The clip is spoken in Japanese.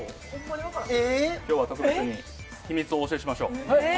今日は特別に秘密をお教えしましょう。